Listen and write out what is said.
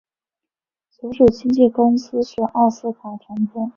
所属经纪公司是奥斯卡传播。